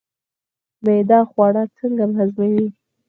معده خواړه څنګه هضموي